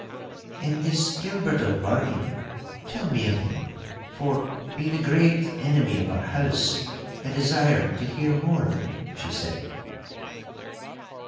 'And this Gilbert of Bargany—tell me of him—for, being the great enemy of our house, I desire to hear more of him,' she said.